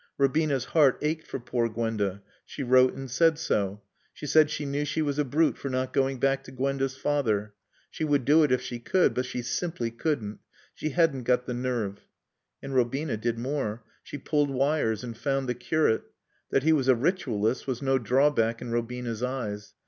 Robina's heart ached for poor Gwenda. She wrote and said so. She said she knew she was a brute for not going back to Gwenda's father. She would do it if she could, but she simply couldn't. She hadn't got the nerve. And Robina did more. She pulled wires and found the curate. That he was a ritualist was no drawback in Robina's eyes.